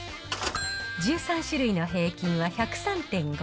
１３種類の平均は１０３．５円。